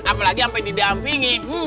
apalagi sampai di dampingi